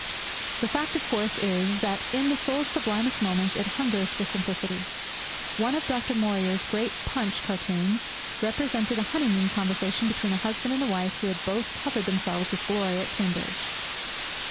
The fact, of course, is that in the soul's sublimest moments it hungers for simplicity. One of Du Maurier's great Punch cartoons represented a honeymoon conversation between a husband and wife who had both covered themselves with glory at Cambridge.